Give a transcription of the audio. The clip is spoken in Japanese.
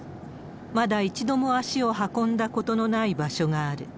まだ一度も足を運んだことのない場所がある。